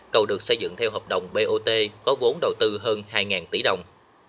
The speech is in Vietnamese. cầu được xây dựng theo hợp đồng bot có vốn đầu tư hơn hai tỷ đồng